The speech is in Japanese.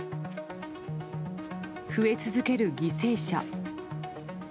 増え続ける犠牲者。